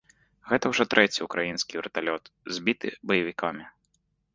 Гэта ўжо трэці ўкраінскі верталёт, збіты баевікамі.